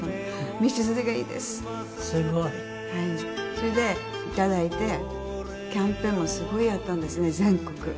それでいただいてキャンペーンもすごいやったんですね全国。